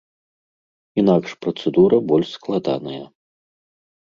Інакш працэдура больш складаная.